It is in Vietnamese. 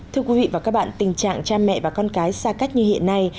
thưa quý vị và các bạn tình trạng cha mẹ và con cái xa cách như hiện nay